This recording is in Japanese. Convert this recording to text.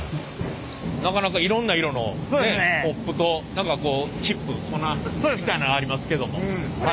なかなかいろんな色のコップとチップ？粉？みたいなのがありますけども。